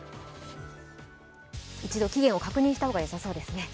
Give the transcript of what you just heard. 一度期限を確認した方がよさそうですね。